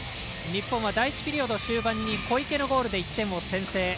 日本は第１ピリオド終盤に小池のゴールで１点を先制。